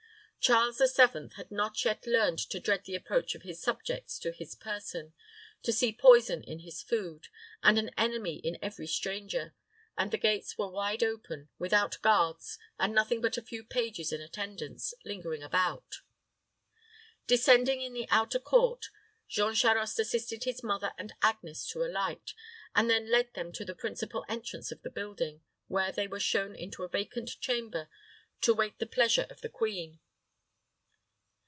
Charles VII. had not yet learned to dread the approach of his subjects to his person, to see poison in his food, and an enemy in every stranger, and the gates were wide open, without guards, and nothing but a few pages in attendance, lingering about. Descending in the outer court, Jean Charost assisted his mother and Agnes to alight, and then led them on to the principal entrance of the building, where they were shown into a vacant chamber, to wait the pleasure of the queen.